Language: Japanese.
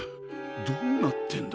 どうなってんだ？